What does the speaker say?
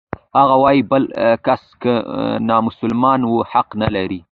هغه وايي بل کس که نامسلمان و حق نلري.